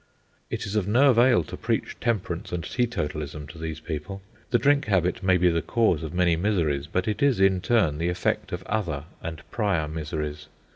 It is of no avail to preach temperance and teetotalism to these people. The drink habit may be the cause of many miseries; but it is, in turn, the effect of other and prior miseries.